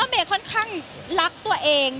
เมย์ค่อนข้างรักตัวเอง